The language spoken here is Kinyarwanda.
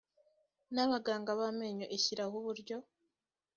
n abaganga b amenyo ishyiraho uburyo